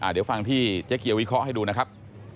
เดี๋ยวฟังที่เจ๊เกียววิเคราะห์ให้ดูนะครับ